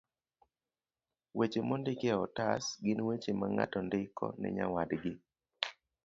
Weche mondiki e otas gin weche ma ng'ato ndiko ne nyawadgi